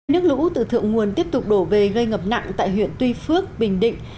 nước lũ từ thượng nguồn tiếp tục đổ về gây ngập nặng tại huyện tuy phước bình định